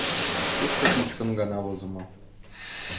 Тушто кӱчыкын гына возымо.